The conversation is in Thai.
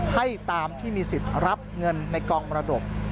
ให้ตามที่มีสิทธิ์รับเงินในกองมรดก